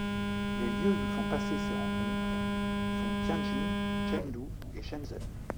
Les lieux où sont passées ces rencontres sont Tianjin, Chengdu et Shenzhen.